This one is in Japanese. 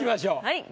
はい。